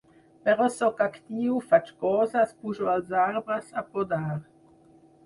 Però sóc actiu, faig coses, pujo als arbres a podar….